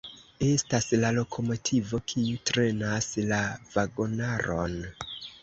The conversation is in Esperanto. Estas la lokomotivo, kiu trenas la vagonaron.